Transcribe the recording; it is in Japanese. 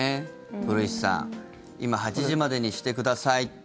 古市さん、今８時までにしてくださいって。